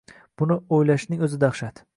Buni oʻylashning oʻzi dahshat